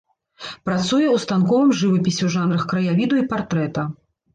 Працуе ў станковым жывапісе ў жанрах краявіду і партрэта.